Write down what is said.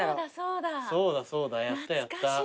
そうだそうだやったやった。